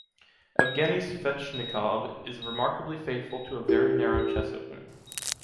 Evgeny Svechnikov is remarkably faithful to a very narrow chess opening.